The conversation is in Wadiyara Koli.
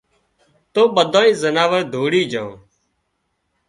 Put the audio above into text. تو ٻڌانئي زناور ڌوڙِي جھان